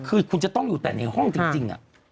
คือคุณจะต้องอยู่แต่ในห้องจริง